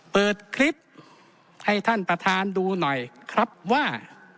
เปิดคลิปให้ท่านประธานดูหน่อยครับว่า